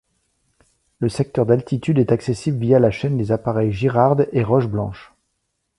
Le secteur d'altitude est accessible via la chaîne des appareils Girarde et Roches Blanches.